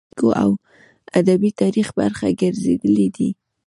پورشوي کلمې د پښتو د سلیقې، تمدني اړیکو او ادبي تاریخ برخه ګرځېدلې دي،